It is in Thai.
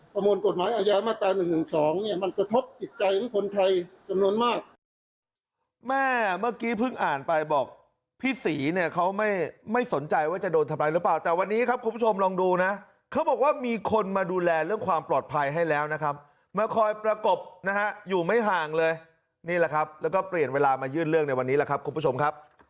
มวลกฎหมายอาญามาตรา๑๑๒เนี่ยมันกระทบจิตใจของคนไทยจำนวนมาก